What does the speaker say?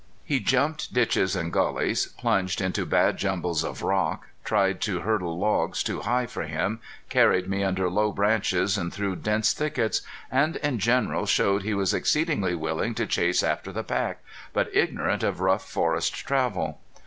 He jumped ditches and gullies, plunged into bad jumbles or rock, tried to hurdle logs too high for him, carried me under low branches and through dense thickets, and in general showed he was exceedingly willing to chase after the pack, but ignorant of rough forest travel.